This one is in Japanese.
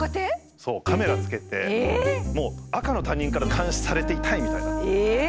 カメラ付けてもう赤の他人から監視されていたいみたいな。